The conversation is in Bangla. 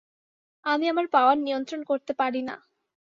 আমি আমার পাওয়ার নিয়ন্ত্রণ করতে পারি না।